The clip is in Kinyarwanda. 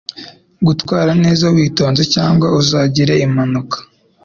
Gutwara neza witonze, cyangwa uzagira impanuka.